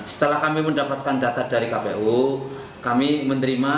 setelah kami mendapatkan data dari kpu kami menerima